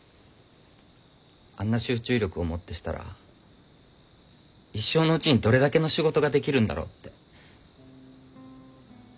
あんな集中力をもってしたら一生のうちにどれだけの仕事ができるんだろうって。